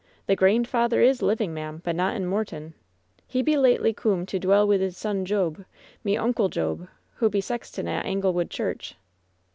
The grandf eyther is living, ma'am, but not in Moorton. He be lately coom to dwell wi' 'is son Job, me Oncle Job, who be sex ton at Anglewood church."